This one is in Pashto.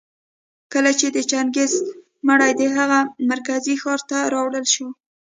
کله چي د چنګېز مړى د هغه مرکزي ښار ته راوړل شو